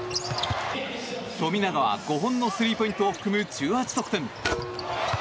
富永は５本のスリーポイントを含む１８得点。